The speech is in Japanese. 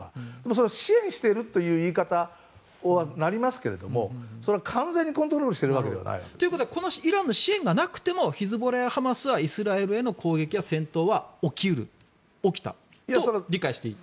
それは支援しているという言い方になりますけども完全にコントロールしてるわけではない。ということはイランの支援がなくてもヒズボラやハマスはイスラエルへの攻撃や戦闘は起き得る、起きたと理解していい？